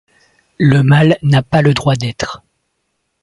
Le mal n'a pas le droit d'être.